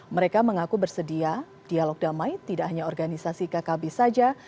mereka mengaku bersedia dialog damai tidak hanya organisasi kkb saja